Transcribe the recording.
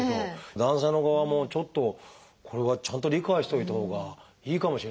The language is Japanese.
男性の側もちょっとこれはちゃんと理解しておいたほうがいいかもしれないですね。